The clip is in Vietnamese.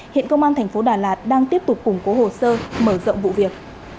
hiện công an tp đà lạt đang tiếp tục củng cố hồ sơ mở rộng vụ việc